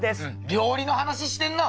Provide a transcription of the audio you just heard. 料理の話してんな！